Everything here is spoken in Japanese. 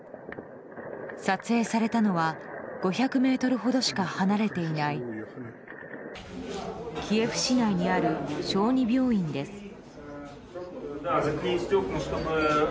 撮影されたのは５００ｍほどしか離れていないキエフ市内にある小児病院です。